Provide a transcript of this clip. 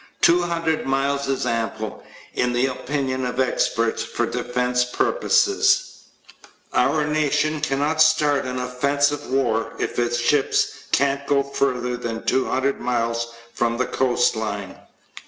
Two hundred miles is ample, in the opinion of experts, for defense purposes. Our nation cannot start an offensive war if its ships can't go further than 200 miles from the coastline.